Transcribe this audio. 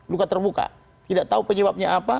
luka terbuka tidak tahu penyebabnya apa